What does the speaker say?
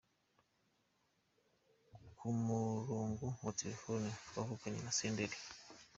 Ku murongo wa Telefone twavuganye na Senderi.